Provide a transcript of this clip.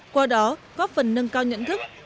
qua đó góp phần nâng cao nhận thức